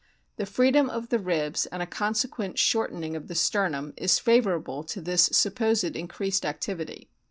The freedom of the ribs and a consequent shortening of the sternum is favourable to this supposed increased activity.